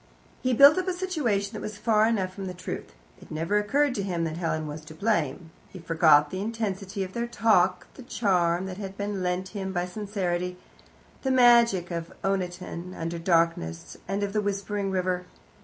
He built up a situation that was far enough from the truth. It never occurred to him that Helen was to blame. He forgot the intensity of their talk, the charm that had been lent him by sincerity, the magic of Oniton under darkness and of the whispering river.